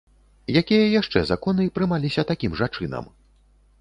Якія яшчэ законы прымаліся такім жа чынам?